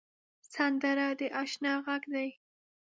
سندره د اشنا غږ دی